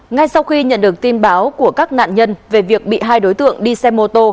ngay sau khi nhận được tin báo của các nạn nhân về việc bị hai đối tượng đi xe mô tô